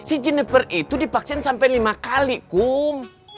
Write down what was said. si jeniper itu divaksin sampai lima kali kum